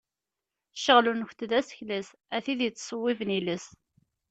Ccɣel-nkent d asekles, a tid yettṣewwiben iles.